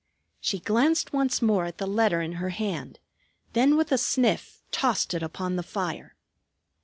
She glanced once more at the letter in her hand, then with a sniff tossed it upon the fire.